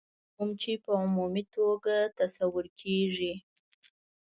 کوم چې په عمومي توګه تصور کېږي.